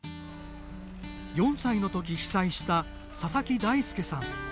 ４歳のとき被災した佐々木大輔さん。